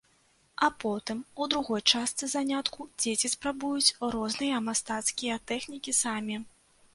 А потым у другой частцы занятку дзеці спрабуюць розныя мастацкія тэхнікі самі.